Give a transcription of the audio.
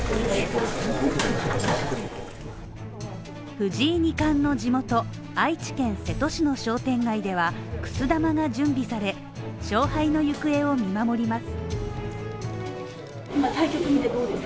藤井二冠の地元・愛知県の瀬戸市の商店街ではくす玉が準備され、勝敗の行方を見守ります。